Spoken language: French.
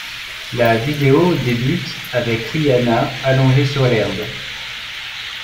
La vidéo débute avec Rihanna allongée sur l'herbe.